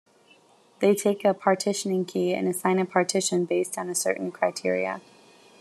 They take a "partitioning key" and assign a partition based on certain criteria.